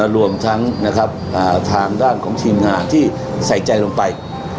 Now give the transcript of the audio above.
รวมทั้งทางด้านของทีมงานที่ใส่ใจลงไป